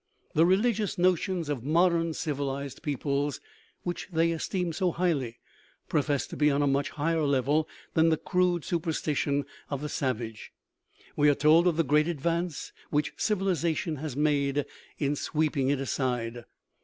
The religious notions of modern civilized peoples, which they esteem so highly, profess to be on a much higher level than the "crude superstition" of the sav age; we are told of the great advance which civiliza tion has made in sweeping it aside.